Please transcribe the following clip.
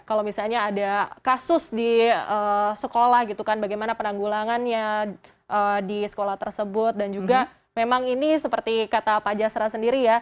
kalau misalnya ada kasus di sekolah gitu kan bagaimana penanggulangannya di sekolah tersebut dan juga memang ini seperti kata pak jasra sendiri ya